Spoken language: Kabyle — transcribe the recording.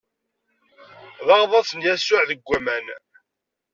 D aɣḍaṣ n Yasuɛ deg waman.